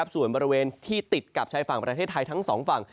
ส่วนบริเวณที่ติดกับชายฝั่งประเทศไทยทั้งสองฝั่ง